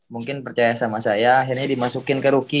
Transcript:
mungkin percaya sama saya akhirnya dimasukin ke ruki